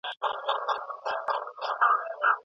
زموږ ارزښتونه او باورونه يو ځای دي.